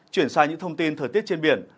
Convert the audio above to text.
chuyển sang những thông tin thời tiết trên biển